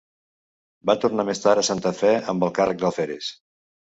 Va tornar més tard a Santa Fe amb el càrrec d'alferes.